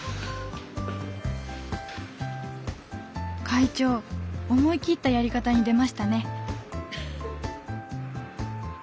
会長思い切ったやり方に出ましたね！